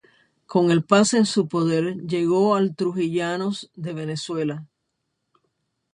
Con el pase en su poder llegó al Trujillanos de Venezuela.